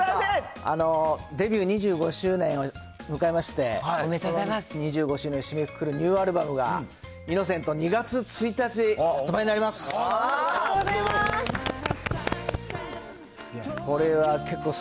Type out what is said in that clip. デビュー２５周年を迎えまして、２５周年を締めくくるニューアルバムが、イノセント、２月１日発おめでとうございます。